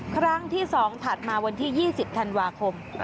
ครั้งที่๒ถัดมาวันที่๒๐ธันวาคม